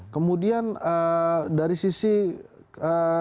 kemudian dari sisi masyarakat